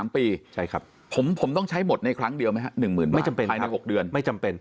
๓ปีผมต้องใช้หมดในครั้งเดียวไหมครับ๑๐๐๐๐บาทภายใน๖เดือนไม่จำเป็นครับ